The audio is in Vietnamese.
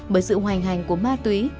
bởi sự hoành hành của ma túy